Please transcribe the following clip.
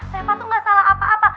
reva tuh gak salah apa apa